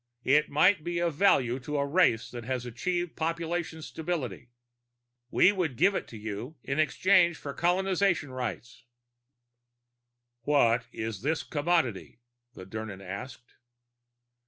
"It might be of value to a race that has achieved population stability. We would give it to you in exchange for colonization rights." "What is this commodity?" the Dirnan asked.